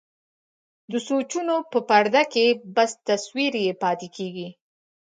د سوچونو په پرده کې بس تصوير يې پاتې کيږي.